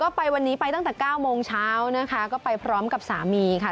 ก็ไปวันนี้ไปตั้งแต่เก้าโมงเช้านะคะก็ไปพร้อมกับสามีค่ะ